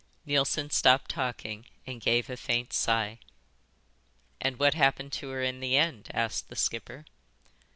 Neilson stopped talking and gave a faint sigh. "And what happened to her in the end?" asked the skipper.